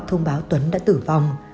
thông báo tuấn đã tử vong